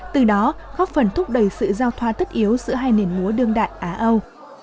từ đó góp phần thúc đẩy sự giao thoa tất yếu giữa hai nền múa đương đại á âu